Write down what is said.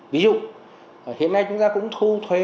ví dụ hiện nay chúng ta cũng thu thuế